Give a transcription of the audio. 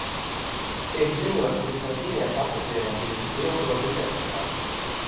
Tiek ziņots, ka vismaz diviem pasažieriem bijusi viltota identitāte.